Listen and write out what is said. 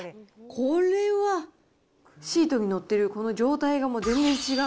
これは、シートに載ってるこの状態が、もう全然違う。